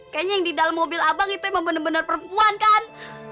kayaknya yang di dalam mobil abang itu emang bener bener perempuan kan